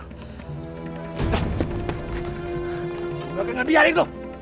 gue gak akan biarin lu